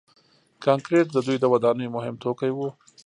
کانکریټ د دوی د ودانیو مهم توکي وو.